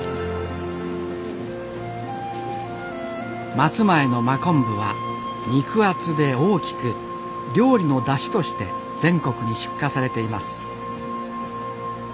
松前の真昆布は肉厚で大きく料理のだしとして全国に出荷されています。